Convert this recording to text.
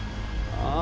ああ！